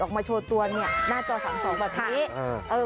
ออกมาโชว์ตัวเนี่ยหน้าจอ๓๒ปี